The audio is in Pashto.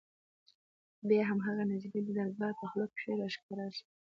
بيا هماغه نجلۍ د درګاه په خوله کښې راښکاره سوه.